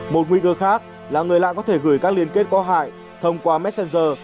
một nguy cơ khác là người lạ có thể gửi các liên kết có hại thông qua messenger